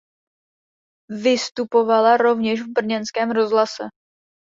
Vystupovala rovněž v brněnském rozhlase.